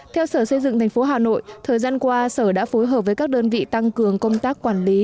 theo sở xây dựng tp hà nội thời gian qua sở đã phối hợp với các đơn vị tăng cường công tác quản lý